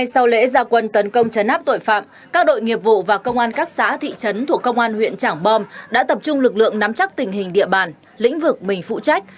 sau lễ gia quân tấn công chấn áp tội phạm các đội nghiệp vụ và công an các xã thị trấn thuộc công an huyện trảng bom đã tập trung lực lượng nắm chắc tình hình địa bàn lĩnh vực mình phụ trách